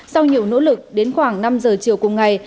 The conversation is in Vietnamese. sau nhiều nỗ lực đến khoảng năm giờ chiều cùng ngày